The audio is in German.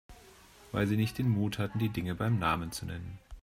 Weil Sie nicht den Mut hatten, die Dinge beim Namen zu nennen.